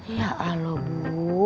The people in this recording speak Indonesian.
ya aloh bu